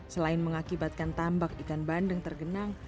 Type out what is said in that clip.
selain mengakibatkan tambak ikan bandeng tergenang